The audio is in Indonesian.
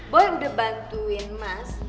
boy udah bantuin mas